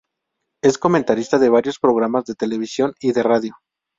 Es comentarista de varios programas de televisión y de radio.